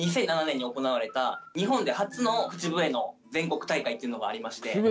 ２００７年に行われた日本で初の口笛の全国大会っていうのがありまして。